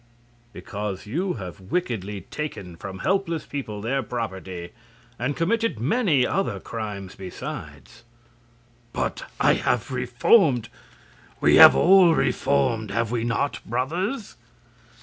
"Because you have wickedly taken from helpless people their property, and committed many other crimes besides." "But I have reformed! We have all reformed have we not, brothers?"